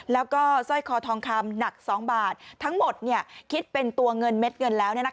แล้วก็สร้อยคอทองคำหนัก๒บาททั้งหมดคิดเป็นตัวเงินเม็ดเงินแล้ว